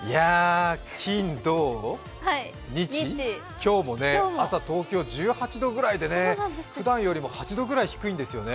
金、土、日、今日も朝、東京は１８度くらいでね、ふだんよりも８度くらい低いんですよね。